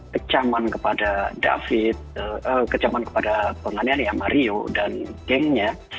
kecaman kepada david kecaman kepada penganiaya mario dan gengnya